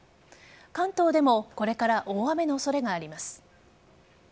関東でもこれから大雨の恐れがあります。